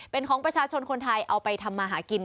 เป็นของประชาชนคนไทยเอาไปทำมาหากิน